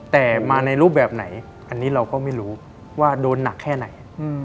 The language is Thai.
แต่มาในรูปแบบไหนอันนี้เราก็ไม่รู้ว่าโดนหนักแค่ไหน